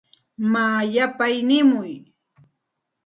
Maa yapay nimuy.